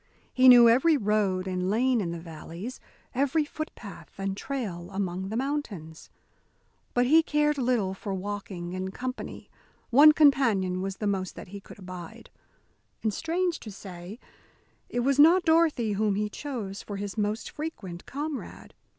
He knew every road and lane in the valleys, every footpath and trail among the mountains. But he cared little for walking in company; one companion was the most that he could abide. And, strange to say, it was not Dorothy whom he chose for his most frequent comrade.